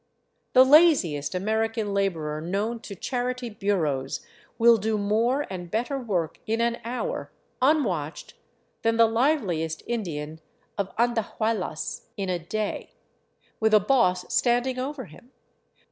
The laziest American laborer known to charity bureaus will do more and better work in an hour, unwatched, than the liveliest Indian of Andahuaylas in a day, with a boss stand ing over him.